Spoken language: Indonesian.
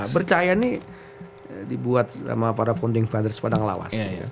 percaya ini dibuat sama para founding fathers padang lawas